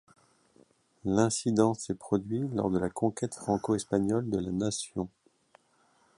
L'incident s'est produit lors de la conquête franco-espagnole de la nation.